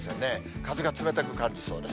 風が冷たく感じそうです。